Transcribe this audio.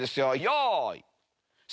よい。